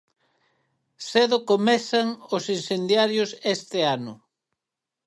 Cedo comezan os incendiarios este ano.